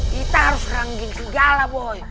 kita harus serang geng serigala boy